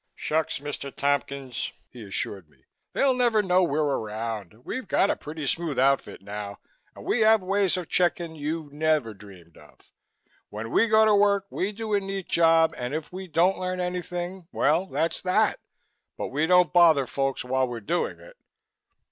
"Shucks! Mr. Tompkins," he assured me, "they'll never know we're around. We got a pretty smooth outfit now and we have ways of checking you never dreamed of. When we go to work, we do a neat job and if we don't learn anything, well, that's that but we don't bother folks while were doing it."